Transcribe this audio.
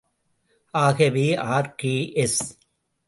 ஆகவே ஆர்.கே.எஸ்.